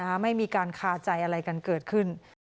ไม่มีการคาใจอะไรกันเกิดขึ้น